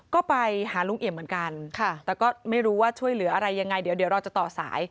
ก็ไปหาลุงเอี่ยมเหมือนกันแต่ก็ไม่รู้ว่าช่วยเหลืออะไรยังไงเดี๋ยวเราจะต่อสาย